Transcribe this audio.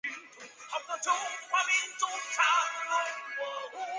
深裂叶黄芩为唇形科黄芩属下的一个种。